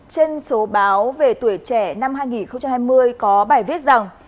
trên số báo về tuổi trẻ năm hai nghìn hai mươi có bài viết rằng